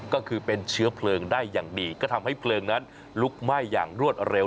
ก็คือเป็นเชื้อเพลิงได้อย่างดีก็ทำให้เพลิงนั้นลุกไหม้อย่างรวดเร็ว